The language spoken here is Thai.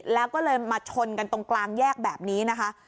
แล้วก็เลยมาชนกันตรงกลางแยกแบบนี้นะคะ